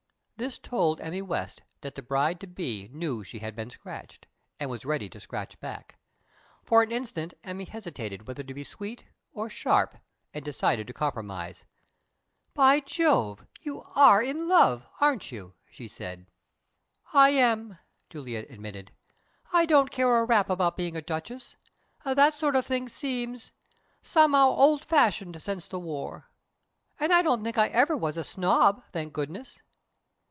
This told Emmy West that the bride to be knew she had been scratched, and was ready to scratch back. For an instant Emmy hesitated whether to be sweet or sharp, and decided to compromise. "By Jove, you are in love, aren't you?" she said. "I am," Juliet admitted. "I don't care a rap about being a duchess. That sort of thing seems somehow old fashioned since the war. And I don't think I ever was a snob, thank goodness."